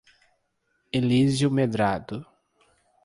Elísio Medrado